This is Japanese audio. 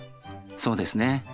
そうですね。